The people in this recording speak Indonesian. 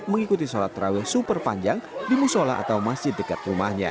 mengikuti sholat terawih super panjang di musola atau masjid dekat rumahnya